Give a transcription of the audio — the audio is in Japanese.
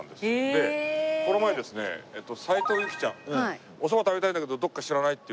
でこの前ですね斉藤由貴ちゃん。お蕎麦食べたいんだけどどっか知らない？って。